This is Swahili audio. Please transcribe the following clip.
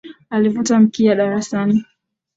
Alivuta mkia darasani